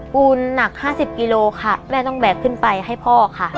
ปูนหนัก๕๐กิโลค่ะแม่ต้องแบกขึ้นไปให้พ่อค่ะ